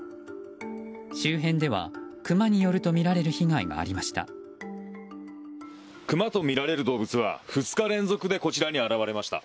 周辺では、クマによるとみられる被害がありました。